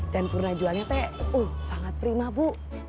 dan purna jualnya teh sangat prima bu